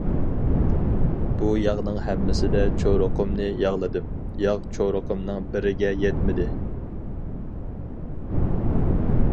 بۇ ياغنىڭ ھەممىسىدە چورۇقۇمنى ياغلىدىم، ياغ چورۇقۇمنىڭ بىرىگە يەتمىدى.